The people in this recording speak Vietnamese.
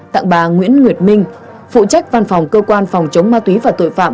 tặng bà nguyễn nguyệt minh phụ trách văn phòng cơ quan phòng chống ma túy và tội phạm